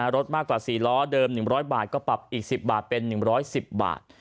รถมากกว่า๔ล้อเดิม๑๐๐บาทก็ปรับอีก๑๐บาทเป็น๑๑๐บาท